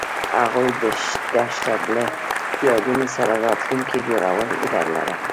هغوی د دښته له یادونو سره راتلونکی جوړولو هیله لرله.